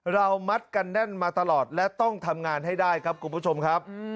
เรามัดกันแน่นมาตลอดและต้องทำงานให้ได้ครับคุณผู้ชมครับ